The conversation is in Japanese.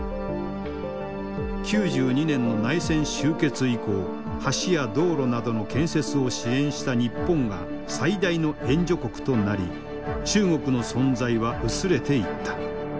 ９２年の内戦終結以降橋や道路などの建設を支援した日本が最大の援助国となり中国の存在は薄れていった。